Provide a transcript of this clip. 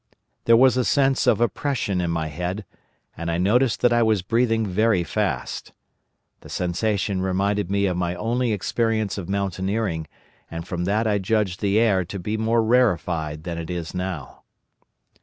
There was a sense of oppression in my head, and I noticed that I was breathing very fast. The sensation reminded me of my only experience of mountaineering, and from that I judged the air to be more rarefied than it is now.